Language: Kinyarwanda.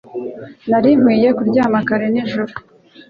Nari nkwiye kuryama kare nijoro.